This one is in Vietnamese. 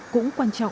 cũng quan trọng